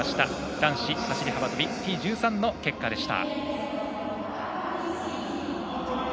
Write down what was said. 男子走り幅跳びＴ１３でした。